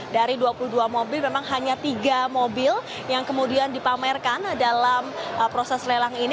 dari dua puluh dua mobil memang hanya tiga mobil yang kemudian dipamerkan dalam proses lelang ini